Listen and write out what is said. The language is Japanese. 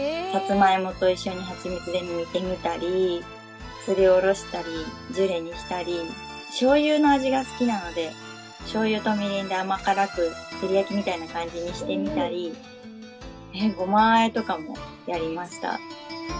さつまいもと一緒に蜂蜜で煮てみたりすりおろしたりジュレにしたりしょうゆの味が好きなのでしょうゆとみりんで甘辛く照り焼きみたいな感じにしてみたりごまあえとかもやりました。